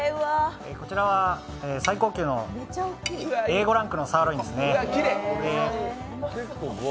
こちらは最高級のＡ５ランクのサーロインですね。